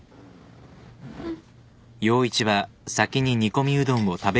うん。